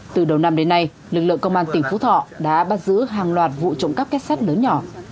từ đầu năm đến nay lực lượng công an tỉnh phú thọ đã bắt giữ hàng loạt vụ trộm cắp kết sắt lớn nhỏ